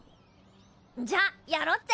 じゃあやろっぜ！